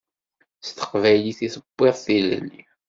S teqbaylit i d-tewwiḍ tilelli.